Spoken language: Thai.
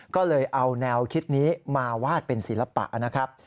ก็เลยเอาแนวคิดนี้มาวาดเป็นศิลปะนะครับ